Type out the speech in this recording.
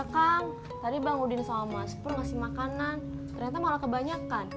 kang tadi bang udin sama mas pun ngasih makanan ternyata malah kebanyakan